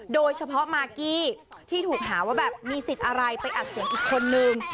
โดยเฉพาะมากกี้ที่ถูกหาว่าแบบมีสิทธิ์อะไรไปอัดเสียงอีกคนนึง